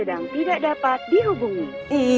sedang tidak dapat dihubungi